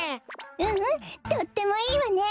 うんうんとってもいいわね。